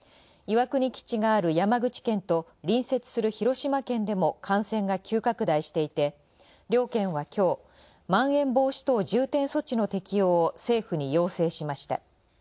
岩国基地がある山口県と隣接する広島県でも感染が急拡大していて両県は今日、「まん延防止重点措置」の適用を政府に要請しました。